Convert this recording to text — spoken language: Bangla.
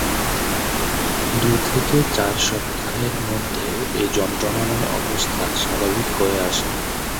দুই থেকে চার সপ্তাহের মধ্যে এ যন্ত্রণাময় অবস্থা স্বাভাবিক হয়ে আসে।